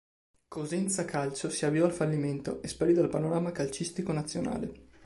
Cosenza Calcio si avviò al fallimento e sparì dal panorama calcistico nazionale.